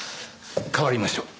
代わりましょう。